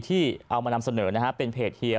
ที่เอามานำเสนอนะฮะเป็นเพจเฮีย